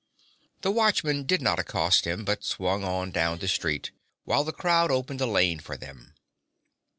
The watchmen did not accost him, but swung on down the street, while the crowd opened a lane for them.